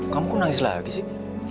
kamu nangis lagi sih